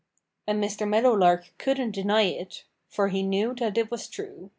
And Mr. Meadowlark couldn't deny it; for he knew that it was true.